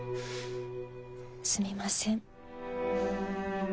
すみません。